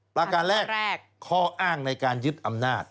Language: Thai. ประการแรกข้ออ้างในการยึดอำนาจ